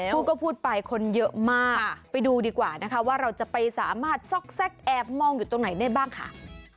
พูดก็พูดไปคนเยอะมากไปดูดีกว่านะคะว่าเราจะไปสามารถซอกแก๊กแอบมองอยู่ตรงไหนได้บ้างค่ะ